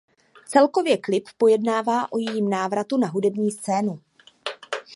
Celkově klip pojednává o jejím návratu na hudební scénu.